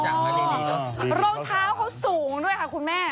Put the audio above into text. รองเท้าเขาสูงด้วยค่ะคุณแม่